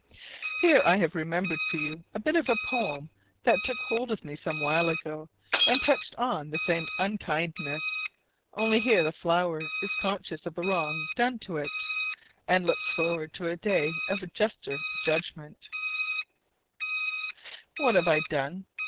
Here I have remembered for you a bit of a poem that took hold of me some while ago and touched on the same unkindness: only here the flower is conscious of the wrong done to it, and looks forward to a day of juster judgment: "What have I done?